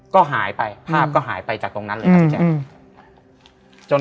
ก็หายไปภาพก็หายไปจากตรงนั้นเลยครับพี่แจ๊ค